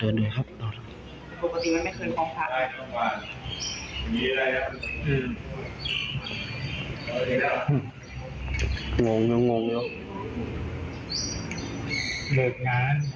หื้มงงงงงง